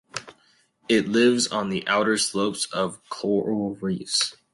It lives on the outer slopes of coral reefs.